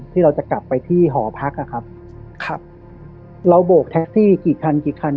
ที่เราจะกลับไปที่หอพักอ่ะครับครับเราโบกแท็กซี่กี่คันกี่คัน